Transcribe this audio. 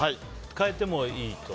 変えてもいいと？